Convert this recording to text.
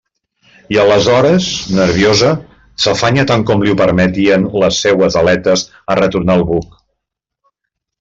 I aleshores, nerviosa, s'afanyà tant com li ho permetien les seues aletes a retornar al buc.